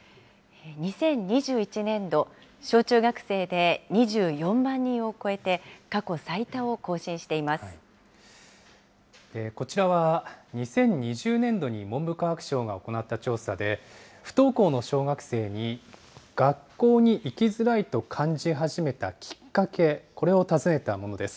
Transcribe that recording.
２０２１年度、小中学生で２４万人を超えて、過去最多を更新してこちらは２０２０年度に文部科学省が行った調査で、不登校の小学生に学校に行きづらいと感じ始めたきっかけ、これを尋ねたものです。